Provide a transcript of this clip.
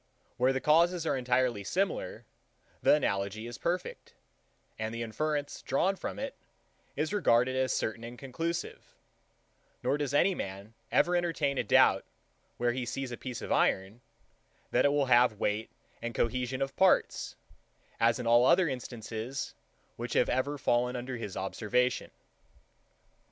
Where the causes are entirely similar, the analogy is perfect, and the inference, drawn from it, is regarded as certain and conclusive: nor does any man ever entertain a doubt, where he sees a piece of iron, that it will have weight and cohesion of parts; as in all other instances, which have ever fallen under his observation.